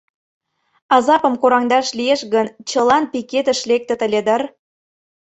Азапым кораҥдаш лиеш гын, чылан пикетыш лектыт ыле дыр...